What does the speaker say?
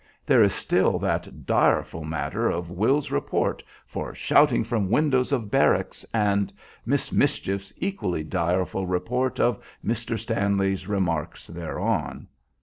There is still that direful matter of Will's report for "shouting from window of barracks," and "Miss Mischief's" equally direful report of Mr. Stanley's remarks thereon.